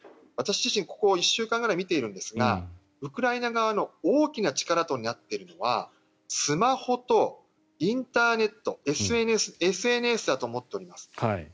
私自身、ここ１週間くらい見ているんですがウクライナ側の大きな力となっているのはスマホとインターネットＳＮＳだと思っています。